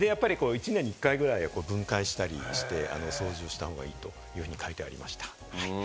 １年に１回ぐらいは分解して掃除した方がいいと書いてありました。